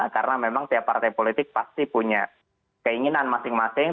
karena memang setiap partai politik pasti punya keinginan masing masing